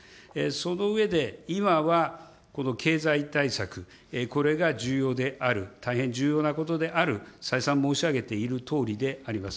その上で今はこの経済対策、これが重要である、大変重要なことである、再三申し上げているとおりであります。